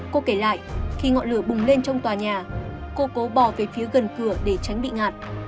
cô kể lại khi ngọn lửa bùng lên trong tòa nhà cô cố bỏ về phía gần cửa để tránh bị ngạt